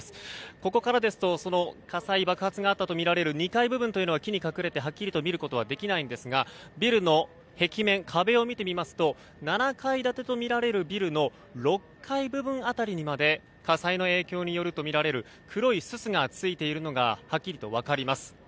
ここからですと火災爆発があったとみられる２階部分は木に隠れてはっきりと見ることはできないんですがビルの壁面、壁を見てみますと７階建てとみられるビルの６階部分辺りにまで火災の影響によるとみられる黒いすすがついているのがはっきりと分かります。